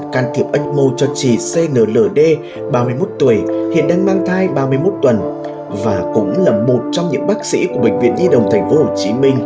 can thiệp ếch mô cho chị cnld ba mươi một tuổi hiện đang mang thai ba mươi một tuần và cũng là một bác sĩ của bệnh viện nhi đồng tp hcm